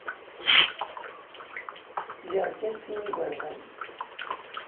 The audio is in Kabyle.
Liɣ kan sin n yigerdan.